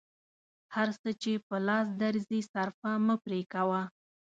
هر څه چې په لاس درځي صرفه مه پرې کوه.